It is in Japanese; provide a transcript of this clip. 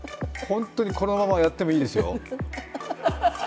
本当に、このままやってもいいですよ。